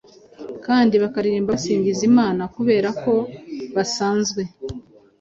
kandi bakaririmba basingiza Imana kubera ko basanzwe